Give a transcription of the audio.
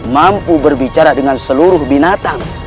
mampu berbicara dengan seluruh binatang